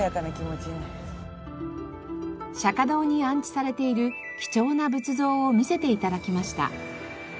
釈堂に安置されている貴重な仏像を見せて頂きました。